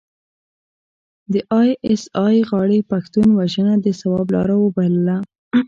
د ای اس ای غاړې پښتون وژنه د ثواب لاره وبلله.